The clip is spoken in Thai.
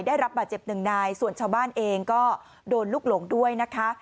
ได้รับบาดเจ็บหนึ่งนายส่วนชาวบ้านเองก็โดนลูกหลงด้วยนะคะ